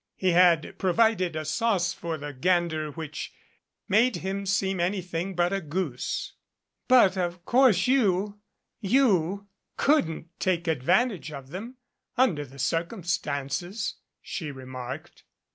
He had provided a sauce for the gander which made him seem anything but a goose. "But, of course, you you couldn't take advantage of them under the circumstances," she remarked.